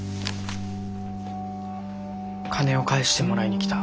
金を返してもらいに来た。